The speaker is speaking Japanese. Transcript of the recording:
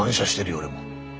俺も。